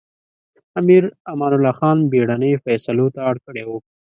امیر امان الله خان بېړنۍ فېصلو ته اړ کړی و.